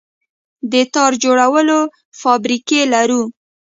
د تار جوړولو فابریکې لرو؟